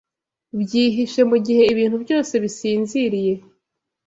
Byihishe mugihe ibintu byose bisinziriye